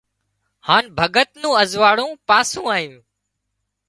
هانَ ڀڳت نُون ازوئاۯون پاسُون آيون